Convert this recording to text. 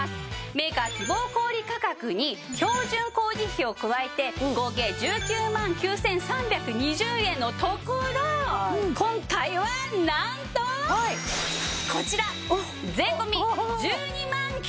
メーカー希望小売価格に標準工事費を加えて合計１９万９３２０円のところ今回はなんとこちら税込１２万９９００円です！